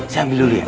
saya ambil dulu liat